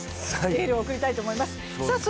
エールを送りたいと思います。